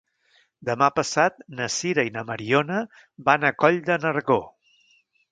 Demà passat na Sira i na Mariona van a Coll de Nargó.